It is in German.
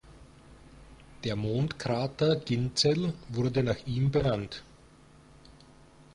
Der Mondkrater Ginzel wurde nach ihm benannt.